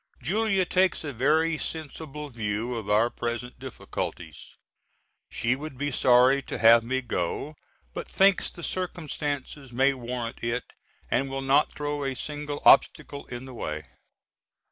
Julia takes a very sensible view of our present difficulties. She would be sorry to have me go, but thinks the circumstances may warrant it and will not throw a single obstacle in the way.